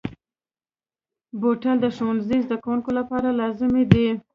بوتل د ښوونځي زده کوونکو لپاره لازمي دی.